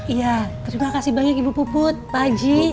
iya terima kasih banyak ibu puput baji